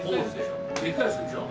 ・でっかいっすねじゃあ。